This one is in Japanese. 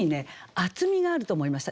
厚みがあると思いました。